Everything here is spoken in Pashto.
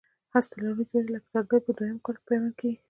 هسته لرونکي ونې لکه زردالو په دوه یم کال پیوند کېږي.